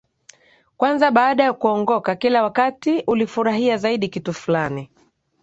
kwanza baada ya kuongoka Kila wakati ulifurahia zaidi kitu fulani